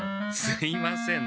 すいません。